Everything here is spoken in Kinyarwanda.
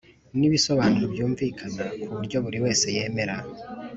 n’ibisobanuro byumvikana ku buryo buri wese yemera